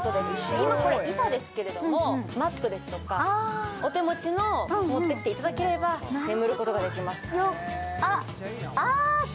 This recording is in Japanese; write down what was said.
今これ板ですけれども、マットレスとかお手持ちのものを持ってきていただければ、眠ることができます。